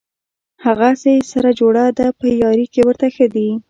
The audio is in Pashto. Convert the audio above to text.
هغسې یې سره جوړه ده په یاري کې ورته ښه دي.